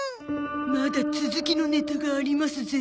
まだ続きのネタがありますぜ。